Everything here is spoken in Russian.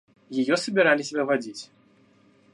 Ее собирались выводить.